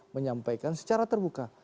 menyampaikan secara terbuka